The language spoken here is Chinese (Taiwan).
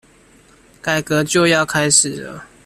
改革就要開始了